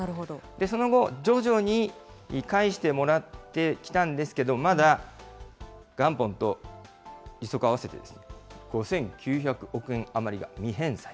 その後、徐々に返してもらってきたんですけど、まだ元本と利息合わせて５９００億円余りが未返済。